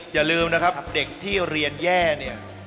อย่าลืมนะครับเด็กที่เรียนแย่เนี่ย